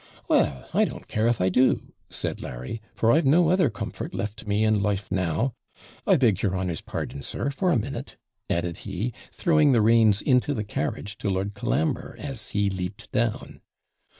'Well, I don't care if I do,' said Larry; 'for I've no other comfort left me in life now. I beg your honour's pardon, sir, for a minute,' added he, throwing the reins into the carriage to Lord Colambre, as he leaped down.